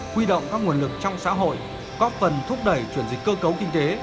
quy động các nguồn lực trong xã hội có phần thúc đẩy chuyển dịch cơ cấu kinh tế